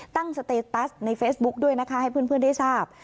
สเตตัสในเฟซบุ๊คด้วยนะคะให้เพื่อนได้ทราบ